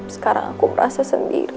sekarang aku merasa sendiri